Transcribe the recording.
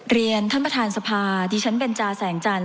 เรียนท่านประธานสภาดิฉันเบนจาแสงจันท